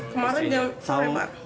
kemarin ya selama